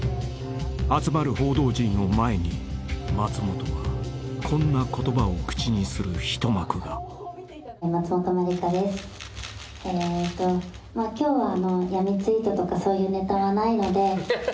［集まる報道陣を前に松本はこんな言葉を口にする一幕が］えーっと。